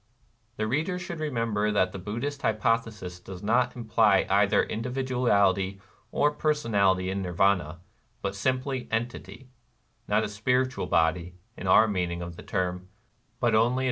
The reader should remember that the Buddhist hypothesis does not imply either individuality or personality in Nirvana, but simple entity, — not a spiritual body, in our meaning of the term, but only a divine consciousness.